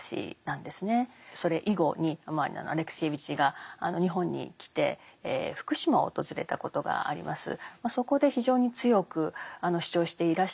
それ以後にアレクシエーヴィチが日本に来て福島を訪れたことがあります。